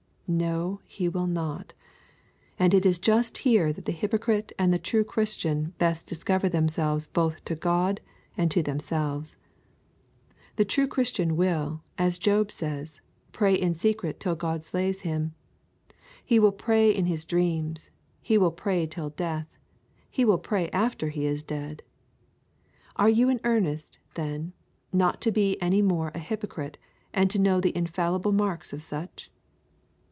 No, he will not. And it is just here that the hypocrite and the true Christian best discover themselves both to God and to themselves. The true Christian will, as Job again says, pray in secret till God slays him. He will pray in his dreams; he will pray till death; he will pray after he is dead. Are you in earnest, then, not to be any more a hypocrite and to know the infallible marks of such?